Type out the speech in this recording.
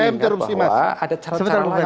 saya interupsi mas saya ingat bahwa ada cara cara lain